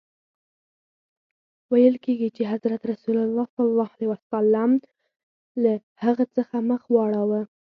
ویل کیږي چي حضرت رسول ص له هغه څخه مخ واړاوه.